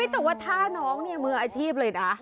แต่ว่าท่าน้องมืออาชีพเลยนะ